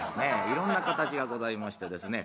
いろんな形がございましてですね